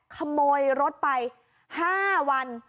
ขโมยรถไป๕วัน